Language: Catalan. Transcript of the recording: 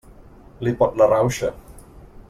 Li pot la rauxa.